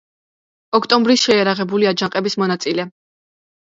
ოქტომბრის შეიარაღებული აჯანყების მონაწილე.